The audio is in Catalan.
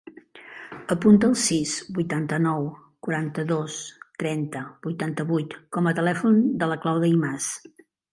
Apunta el sis, vuitanta-nou, quaranta-dos, trenta, vuitanta-vuit com a telèfon de la Clàudia Imaz.